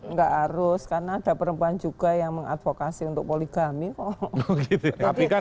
nggak harus karena ada perempuan juga yang mengadvokasi untuk poligami kok